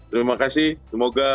terima kasih semoga